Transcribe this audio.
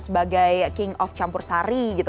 sebagai king of campur sari gitu